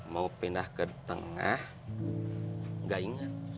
mau pindah ke tengah nggak inget